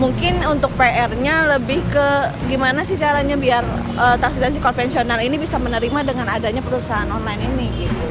mungkin untuk pr nya lebih ke gimana sih caranya biar taksi taksi konvensional ini bisa menerima dengan adanya perusahaan online ini